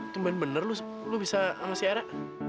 tumpahin bener lo bisa sama si era